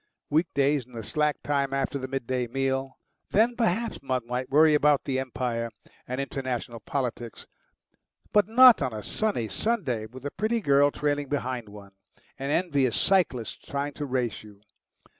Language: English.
Week davs, in the slack time after the midday meal, then perhaps one might worry about the Empire and international politics; but not on a sunny Sunday, with a pretty girl trailing behind one, and envious cyclists trying to race you.